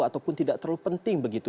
ataupun tidak terlalu penting begitu